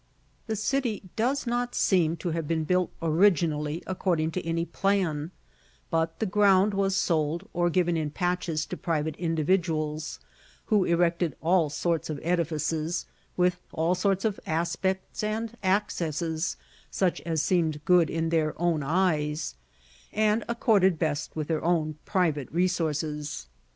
The city does not seem to have been built originally according to any plan, but the ground was sold or given in patches to private individuals, who erected all sorts of edifices, with all sorts of aspects and accesses, such as seemed good in their own eyes, and accorded best with their own private resources.